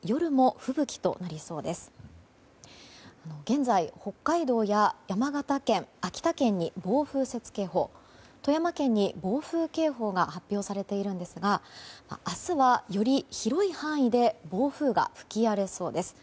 富山県に暴風警報が発表されているんですが明日は、より広い範囲で暴風が吹き荒れそうです。